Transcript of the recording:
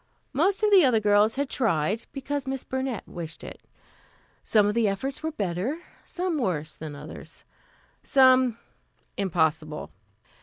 Most of the other girls had tried, because Miss Burnett wished it. Some of the efforts were better, some worse, than others, some impossible.